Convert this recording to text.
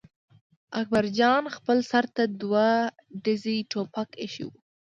اکبر جان خپل سر ته دوه ډزي ټوپک اېښی و.